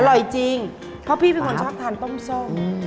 อร่อยจริงเพราะพี่เป็นคนชอบทานต้มส้ม